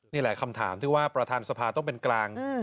นี่แหละคำถามที่ว่าประธานสภาต้องเป็นกลาง